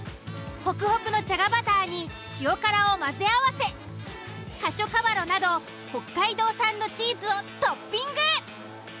ほくほくのじゃがバターに塩辛を混ぜ合わせカチョカバロなど北海道産のチーズをトッピング。